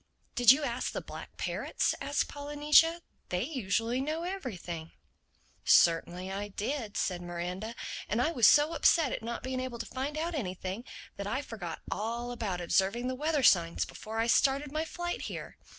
"Did you ask the black parrots?" asked Polynesia. "They usually know everything." "Certainly I did," said Miranda. "And I was so upset at not being able to find out anything, that I forgot all about observing the weather signs before I started my flight here.